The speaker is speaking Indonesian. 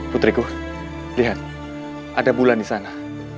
putriku lihat ada bulan di sana